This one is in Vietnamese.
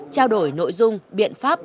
trao đổi nội dung biện pháp